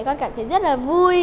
con cảm thấy rất là vui